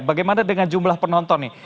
bagaimana dengan jumlah penonton nih